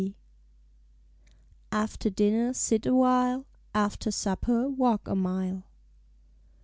"_After Dinner Sit a While; After Supper Walk a Mile.